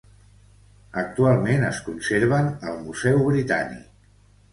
Actualment es conserven al Museu Britànic.